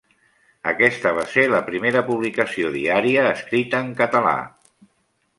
Aquesta va ser la primera publicació diària escrita en català.